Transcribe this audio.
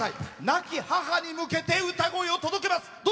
亡き母に向けて歌声を届けます。